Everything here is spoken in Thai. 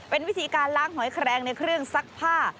เป็นวิธีการล้างหอยแครงในเครื่องซักผ้า